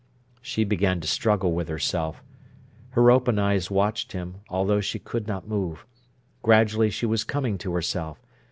She began to struggle with herself. Her open eyes watched him, although she could not move. Gradually she was coming to herself.